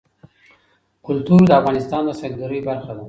کلتور د افغانستان د سیلګرۍ برخه ده.